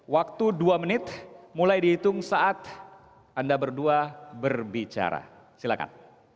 waktu dua menit mulai dihitung saat anda berdua berbicara silakan